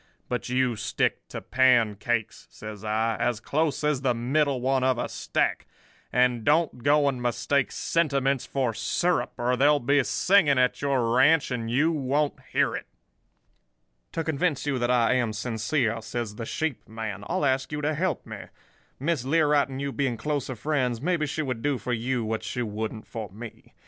But you stick to pancakes,' says I, 'as close as the middle one of a stack; and don't go and mistake sentiments for syrup, or there'll be singing at your ranch, and you won't hear it.' "'To convince you that I am sincere,' says the sheep man, 'I'll ask you to help me. Miss Learight and you being closer friends, maybe she would do for you what she wouldn't for me.